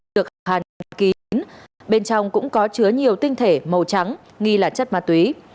được hàn kín bên trong cũng có chứa nhiều tinh thể màu trắng nghi là chất ma túy